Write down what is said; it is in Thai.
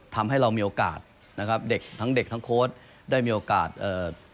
ทำให้เรามีโอกาสนะครับเด็กทั้งเด็กทั้งโค้ดได้มีโอกาสเอ่อ